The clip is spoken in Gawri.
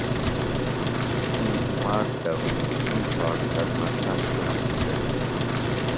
اِیں اُماۤد دہ اُوں اِیں چھاٹ تہ مہ سمکہ اُوٹ گٹی